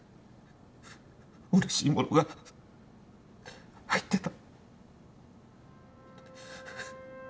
うれしいものが入ってた。